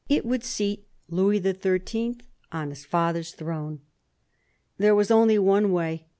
It would seat Louis XIII. on his father's throne. There was only one way.